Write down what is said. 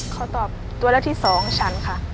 ขอตอบตัวเลือกที่๒ฉันค่ะ